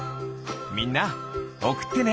みんなおくってね！